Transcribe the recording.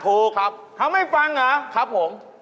ถูกครับครับครับผมเขาไม่ฟังเหรอ